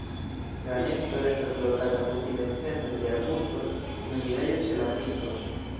La nesto estas lokata kutime centre de arbusto kun enirejo ĉe la pinto.